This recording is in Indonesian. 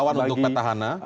lawan untuk petahana